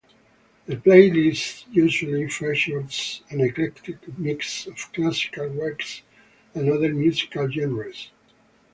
The playlist usually features an eclectic mix of classical works and other musical genres.